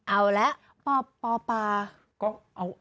เอาล่ะปอปา